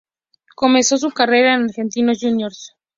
Comenzó su carrera en Argentinos Juniors.